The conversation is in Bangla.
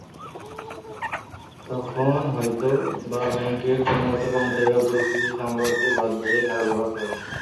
তখন হয়তো-বা ব্যাংকের কর্মকর্তা-কর্মচারীরাও পরিস্থিতি সামলাতে বাধ্য হয়ে খারাপ ব্যবহার করেন।